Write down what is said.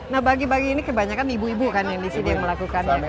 nah bagi bagi ini kebanyakan ibu ibu kan yang di sini yang melakukan ya kan ya